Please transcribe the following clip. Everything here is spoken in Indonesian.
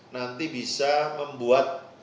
nanti bisa membuat